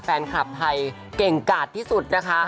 แฟนคลับไทยเก่งกาดที่สุดนะคะ